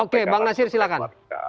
oke bang nasir silakan